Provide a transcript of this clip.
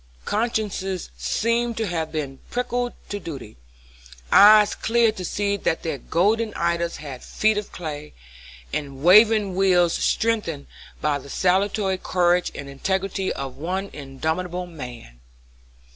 Consciences seemed to have been pricked to duty, eyes cleared to see that their golden idols had feet of clay, and wavering wills strengthened by the salutary courage and integrity of one indomitable man.